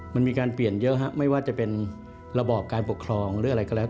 มันมีการเปลี่ยนเยอะไม่ว่าจะเป็นระบอบการปกครองหรืออะไรก็แล้ว